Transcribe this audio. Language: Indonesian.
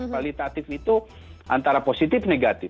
kualitatif itu antara positif negatif